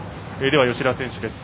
では、吉田選手です。